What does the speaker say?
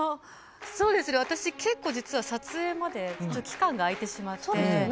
私、結構実は撮影まで期間が空いてしまって。